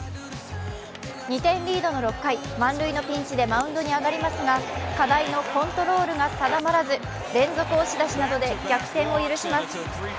２点リードの６回、満塁のピンチでマウンドに上がりますが課題のコントロールが定まらず連続押し出しなどで逆転を許します。